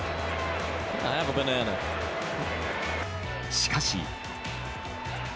しかし。